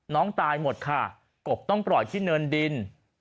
น้องตายหมดค่ะกบต้องปล่อยที่เนินดิน